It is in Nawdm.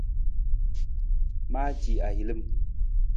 Maaci ahilim.